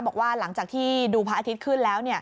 บอกว่าหลังจากที่ดูพระอาทิตย์ขึ้นแล้ว